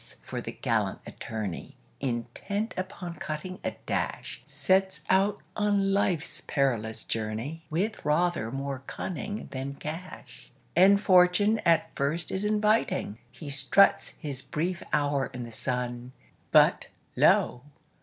for the gallant attorney, Intent upon cutting a dash, Sets out on life's perilous journey With rather more cunning than cash. And fortune at first is inviting He struts his brief hour in the sun But, lo!